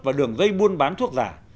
và đường dây buôn bán thuốc giả